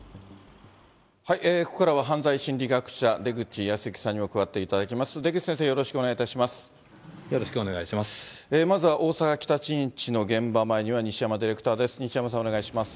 ここからは犯罪心理学者、出口保行さんにも加わっていただきます。